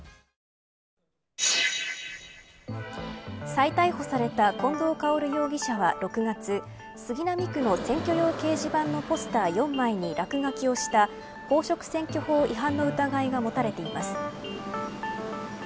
再逮捕された近藤薫容疑者は６月、杉並区の選挙用掲示板のポスター４枚に落書きをした公職選挙法違反の疑いが持たれています。